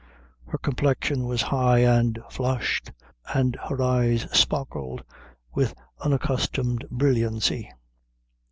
Her complexion was high and flushed, and her eyes sparkled with unaccustomed brilliancy.